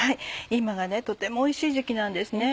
今がとてもおいしい時期なんですね。